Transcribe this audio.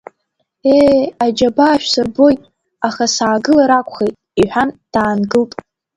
Ее, аџьабаа шәсырбоит, аха саагылар акәхеит, — иҳәан даангылт.